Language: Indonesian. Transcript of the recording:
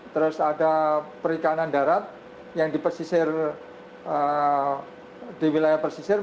terus ada perikanan darat yang di wilayah pesisir